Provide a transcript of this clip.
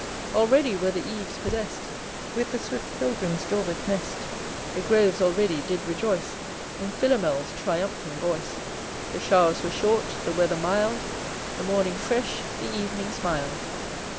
Already were the eaves possess'd With the swift pilgrim's daubed nest; The groves already did rejoice In Philomel's triumphing voice: The showers were short, the weather mild, The morning fresh, the evening smil'd.